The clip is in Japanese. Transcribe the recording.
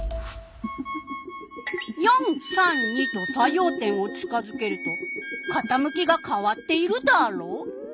４３２と作用点を近づけるとかたむきが変わっているダーロ！